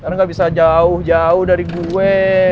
nanti lo gak bisa jauh jauh dari gue